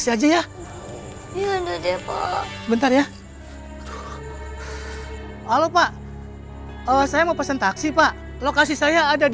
sabar ya intan ya